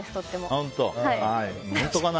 本当かな？